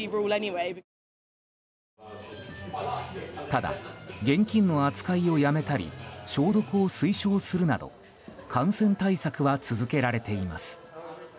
ただ、現金の扱いをやめたり消毒を推奨するなど感染対策は続けられています。